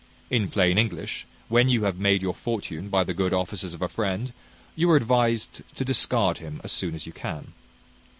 In plain English, when you have made your fortune by the good offices of a friend, you are advised to discard him as soon as you can.